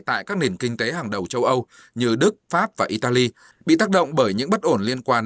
tại các nền kinh tế hàng đầu châu âu như đức pháp và italy bị tác động bởi những bất ổn liên quan